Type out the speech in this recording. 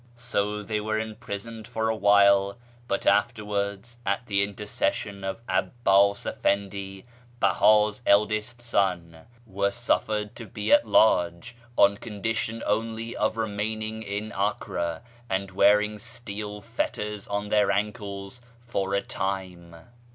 So they were imprisoned for a while ; but afterwards, at the intercession of 'Abbas Efendi, Beha s eldest son, w^ere suffered to be at large, on condition only of remaining in Acre, and wearing steel fetters on their ankles for a time."